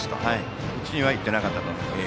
打ちにはいってなかったと思います。